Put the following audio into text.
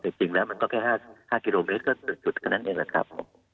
แต่จริงแล้วมันก็แค่๕กิโลเมตรหนึ่งจุดขนาดนี้แหละครับ